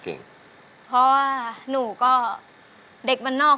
เป็นเพลง